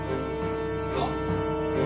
はっ。